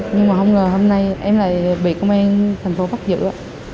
nhưng mà không ngờ hôm nay em lại bị công an tp bắt giữ